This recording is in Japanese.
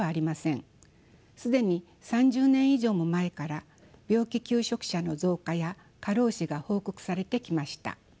既に３０年以上も前から病気休職者の増加や過労死が報告されてきました。